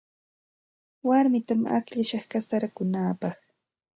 Warmitam akllashaq kasarakunaapaq.